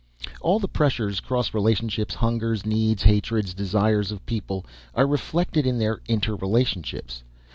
"All the pressures, cross relationships, hungers, needs, hatreds, desires of people are reflected in their interrelationships.